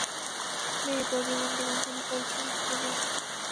মেই, প্রতিদিনই তোমার জন্য পরিচ্ছন্নতা দিবস।